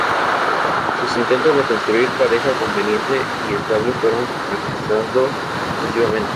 Sus intentos de conseguir pareja conveniente y estable fueron fracasando sucesivamente.